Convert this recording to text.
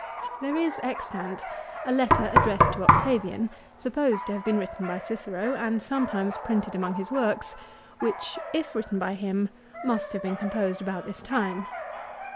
There is extant a letter addressed to Octavian, supposed to have been written by Cicero, and sometimes printed among his works, which if written by him must have been composed about this time.